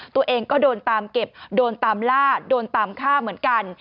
ตัวเองก็โดนตามเก็บโดนตามล่าโดนตามฆ่าเหมือนกัน